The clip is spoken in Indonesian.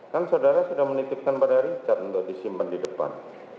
kan saudara sudah menitipkan pada richard untuk disimpan di depan